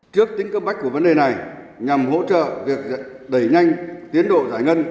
trước tính cấp bách của vấn đề này nhằm hỗ trợ việc đẩy nhanh tiến độ giải ngân